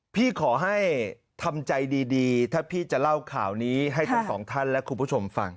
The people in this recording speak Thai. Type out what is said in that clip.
พี่ขอให้ทำใจดีถ้าพี่จะเล่าข่าวนี้ให้ทั้งสองท่านและคุณผู้ชมฟัง